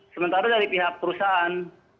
sementara dari pihak perusahaan